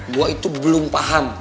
gue itu belum paham